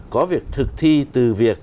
có việc thực thi từ việc